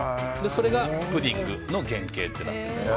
それがプディングの原形となっています。